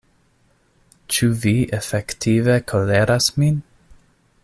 Ĉu vi efektive koleras min?